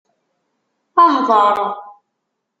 Hḍer!